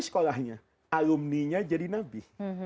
sekolahnya alumninya jadi nabi